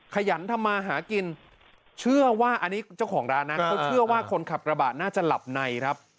ขยันทำมาหากินเชื่อว่าอันนี้เจ้าของร้านนะเขาเชื่อว่าคนขับกระบาดน่าจะหลับในครับ